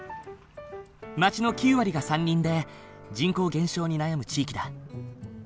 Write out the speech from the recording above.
町の９割が山林で人口減少に悩む地域だ。